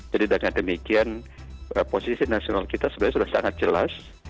jadi dengan demikian posisi nasional kita sebenarnya sudah sangat jelas